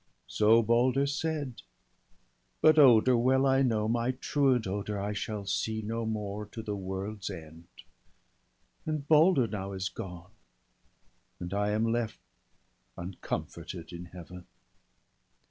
So Balder said; — but Oder, well I know, My truant Oder I shall see no more To the world's end; and Balder now is gone, And I am left uncomforted in Heaven.'